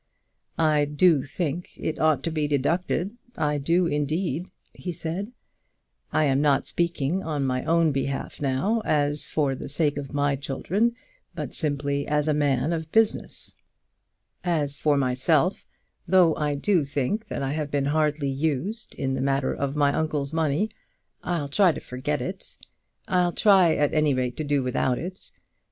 "I do think it ought to be deducted; I do indeed," he said. "I am not speaking on my own behalf now, as for the sake of my children, but simply as a man of business. As for myself, though I do think I have been hardly used in the matter of my uncle's money, I'll try to forget it. I'll try at any rate to do without it.